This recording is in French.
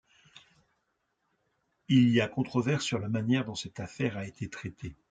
Il y a une controverse sur la manière dont cette affaire a été traitée.